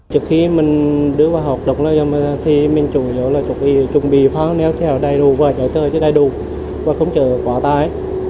trước khi mình đưa vào hoạt động mình chủ yếu là chuẩn bị pháo nếu chở đầy đủ và chở chở đầy đủ và không chở quá tải